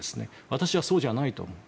私はそうじゃないと思う。